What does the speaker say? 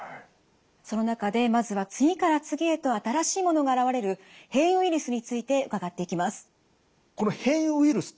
その中でまずは次から次へと新しいものが現れる変異ウイルスについて伺っていきます。